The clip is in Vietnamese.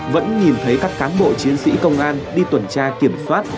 vẫn nhìn thấy các cán bộ chiến sĩ công an đi tuần tra kiểm soát